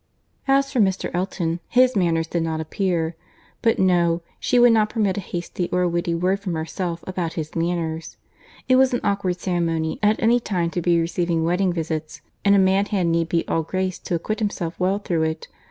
As for Mr. Elton, his manners did not appear—but no, she would not permit a hasty or a witty word from herself about his manners. It was an awkward ceremony at any time to be receiving wedding visits, and a man had need be all grace to acquit himself well through it.